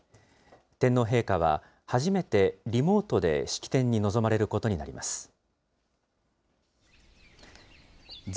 天皇陛下は、初めてリモートで式典に臨まれることになります。